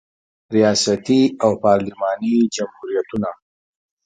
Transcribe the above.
ریاستي او پارلماني جمهوریتونه